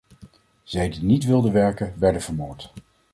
Zij die niet wilden werken, werden vermoord.